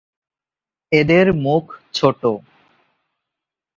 এদের মুখ ছোট।